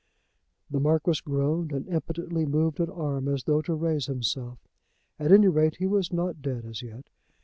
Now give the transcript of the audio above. The Marquis groaned and impotently moved an arm as though to raise himself. At any rate, he was not dead as yet.